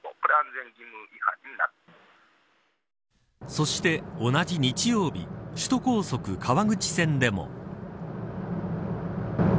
そして、同じ日曜日首都高速川口線でも。